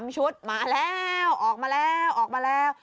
ชุดมาแล้วออกมาแล้วออกมาแล้ว